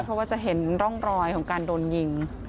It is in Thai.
เพราะว่าจะเห็นร่องรอยของการโดนยิง